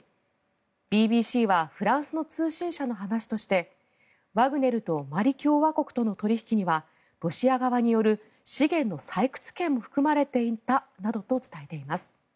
ＢＢＣはフランスの通信社の話としてワグネルとマリ共和国との取引にはロシア側による資源の採掘権も含まれていたなどと伝えています。